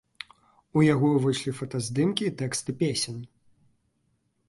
У яго ўвайшлі фотаздымкі і тэксты песень.